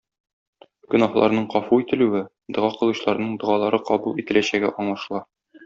Гөнаһларның гафу ителүе, дога кылучыларның догалары кабул ителәчәге аңлашыла.